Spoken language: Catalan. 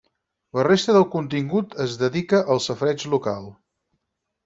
La resta del contingut es dedica al safareig local.